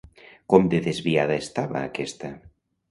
Com de desviada estava aquesta?